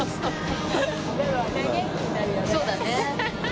そうだね。